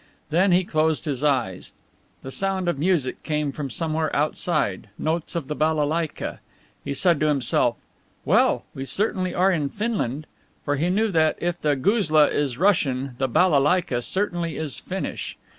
Then he closed his eyes. The sound of music came from somewhere outside, notes of the balalaika. He said to himself, "Well, we certainly are in Finland"; for he knew that, if the guzla is Russian the balalaika certainly is Finnish.